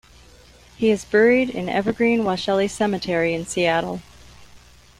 He is buried in Evergreen-Washelli Cemetery in Seattle.